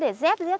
có hai lớp